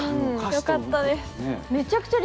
よかったです。